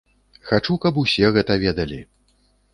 Хачу, каб усё гэта ведалі.